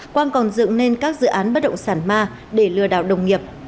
quang còn dựng nên các dự án bất động sản ma để lừa đảo đồng nghiệp